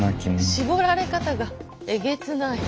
絞られ方がえげつない。